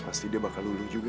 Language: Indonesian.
pasti dia bakal luluh juga